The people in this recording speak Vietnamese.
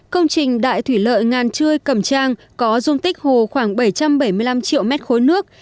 công trình đại thủy lợi ngàn chươi cẩm trang có dung tích hồ khoảng bảy trăm bảy mươi năm triệu m ba nước